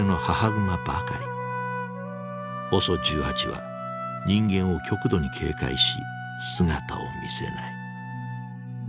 ＯＳＯ１８は人間を極度に警戒し姿を見せない。